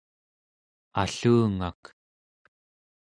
allungak